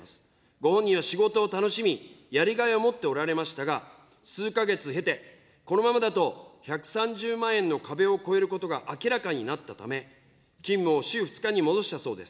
ご本人は仕事を楽しみ、やりがいを持っておられましたが、数か月経て、このままだと１３０万円の壁を超えることが明らかになったため、勤務を週２日に戻したそうです。